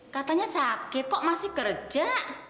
katanya sakit kok masih kerja